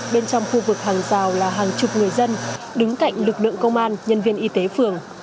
bên trong khu vực hàng rào là hàng chục người dân đứng cạnh lực lượng công an nhân viên y tế phường